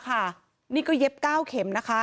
เหตุการณ์เกิดขึ้นแถวคลองแปดลำลูกกา